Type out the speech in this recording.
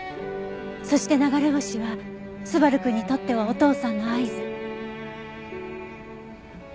そして流れ星は昴くんにとってはお父さんの合図。